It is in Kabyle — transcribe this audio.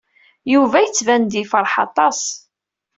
Yuba yettban-d yefṛeḥ aṭas.